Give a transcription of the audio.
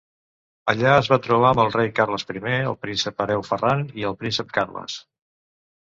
Allà es va trobar amb el rei Carles I, el príncep hereu Ferran i el príncep Carles.